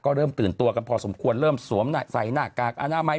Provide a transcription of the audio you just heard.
ก็เริ่มตื่นตัวกันพอสมควรเริ่มสวมใส่หน้ากากอนามัย